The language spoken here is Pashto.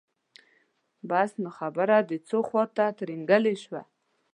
بس نو خبره د ځو خواته ترینګلې شوه.